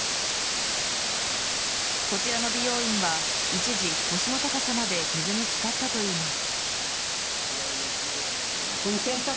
こちらの美容院は一時、腰の高さまで水に漬かったといいます。